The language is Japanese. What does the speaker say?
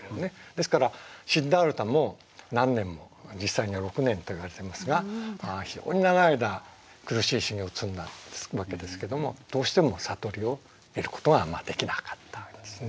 ですからシッダールタも何年も実際には６年といわれていますが非常に長い間苦しい修行を積んだわけですけどもどうしても悟りを得ることはできなかったわけですね。